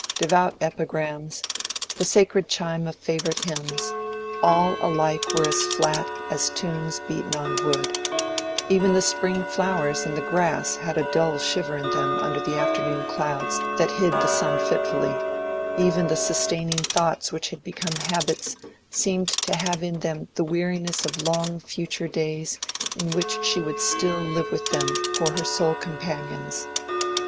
—devout epigrams—the sacred chime of favorite hymns—all alike were as flat as tunes beaten on wood: even the spring flowers and the grass had a dull shiver in them under the afternoon clouds that hid the sun fitfully; even the sustaining thoughts which had become habits seemed to have in them the weariness of long future days in which she would still live with them for her sole companions.